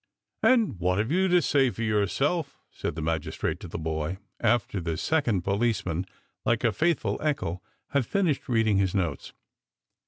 " And what have you to say for yourself? " said the magistrate to the boy, after the second policeman, like a faithful echo, had finished reading his notes.